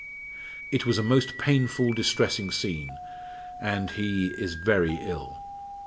It was a most painful, distressing scene, and he is very ill."